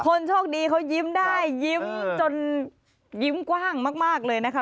คนโชคดีเขายิ้มได้ยิ้มจนยิ้มกว้างมากเลยนะคะ